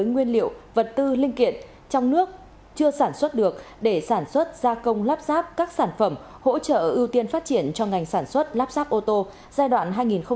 nguyên liệu vật tư linh kiện trong nước chưa sản xuất được để sản xuất gia công lắp ráp các sản phẩm hỗ trợ ưu tiên phát triển cho ngành sản xuất lắp ráp ô tô giai đoạn hai nghìn một mươi chín hai nghìn hai mươi